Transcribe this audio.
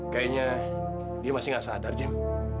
kayaknya dia masih gak sadar jam